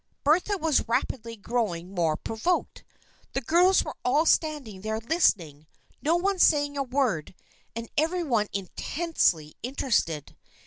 Bertha was rapidly growing more provoked. The girls were all standing there listening, no one saying a word and every one intensely interested.